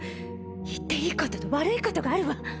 言っていいことと悪いことがあるわ